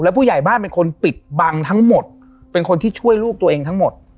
ผู้ใหญ่บ้านเป็นคนปิดบังทั้งหมดเป็นคนที่ช่วยลูกตัวเองทั้งหมด